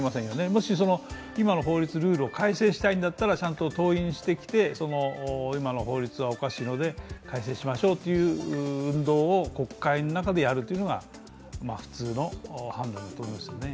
もし、今の法律、ルールを改正したいのであればちゃんと登院してきて今の法律はおかしいので改正しましょうという運動を国会の中でやるというのが普通の判断だと思いますね。